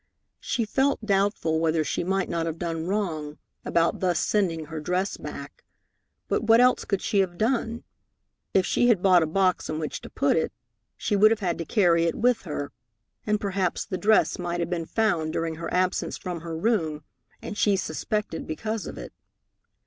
She felt doubtful whether she might not have done wrong about thus sending her dress back, but what else could she have done? If she had bought a box in which to put it, she would have had to carry it with her, and perhaps the dress might have been found during her absence from her room, and she suspected because of it.